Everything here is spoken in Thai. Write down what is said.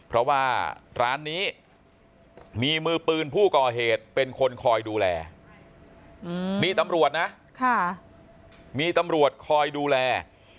เพราะว่าร้านนี้มีมือปืนผู้ก่อเหตุเป็นคนคอยดูแลนี่ตำรวจนะมีตำรวจคอยดูแล